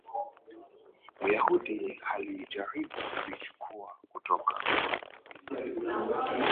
Myahudi alijaribu kuichukuwa kutoka kwangu